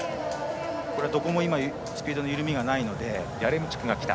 どこもスピードの緩みがないので。